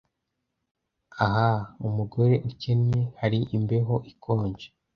ah umugore ukennye hari imbeho ikonje